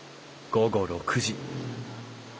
午後６時。